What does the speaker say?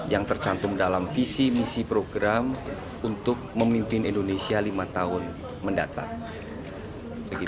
yang tercantum dalam visi misi program untuk memimpin indonesia lima tahun mendatang